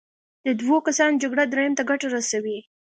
د دوو کسانو جګړه دریم ته ګټه رسوي.